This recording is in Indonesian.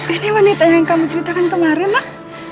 ini wanita yang kamu ceritakan kemarin mah